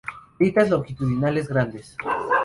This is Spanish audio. Grietas longitudinales grandes.